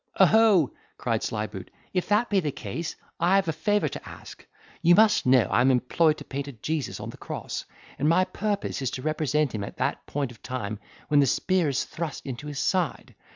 "Oho!" cried Slyboot, "if that be the case, I have a favour to ask. You must know I am employed to paint a Jesus on the cross; and my purpose is to represent him at that point of time when the spear is thrust into his side.